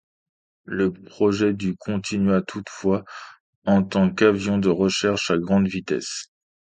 Le projet du continua toutefois, en tant qu'avion de recherches à grande vitesse.